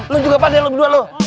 lu juga paham ya lu berdua lu